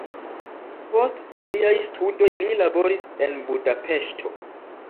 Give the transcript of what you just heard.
Post siaj studoj li laboris en Budapeŝto.